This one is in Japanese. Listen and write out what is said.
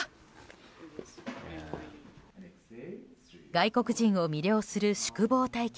外国人を魅了する宿坊体験。